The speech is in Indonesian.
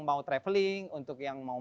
mau traveling untuk yang mau